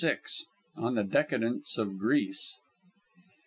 ON THE DECADENCE OF GREECE.